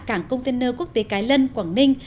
cảng container quốc tế cái lân quảng ninh